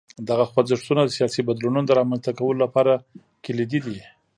دغه خوځښتونه د سیاسي بدلونونو د رامنځته کولو لپاره کلیدي دي.